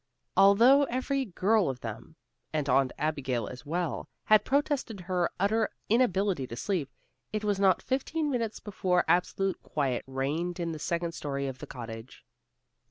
Although every girl of them, and Aunt Abigail as well, had protested her utter inability to sleep, it was not fifteen minutes before absolute quiet reigned in the second story of the cottage.